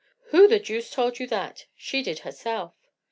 "Who the deuce told you that?" "She did herself."